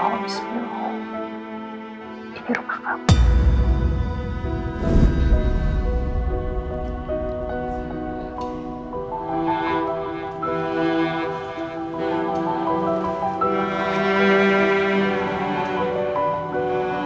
aku bisa mundur setelah ketahuan itu